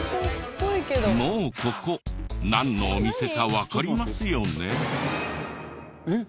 もうここなんのお店かわかりますよね？